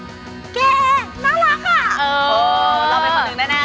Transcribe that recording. แก่น่ารักอะเออเราเป็นคนหนึ่งแน่